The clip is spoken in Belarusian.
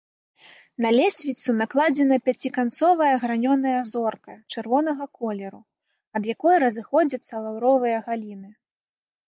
На лесвіцу накладзена пяціканцовая гранёная зорка чырвонага колеру, ад якой разыходзяцца лаўровыя галіны.